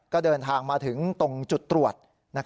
ก็เดินทางมาถึงตรงจุดตรวจ